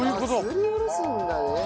すりおろすんだね。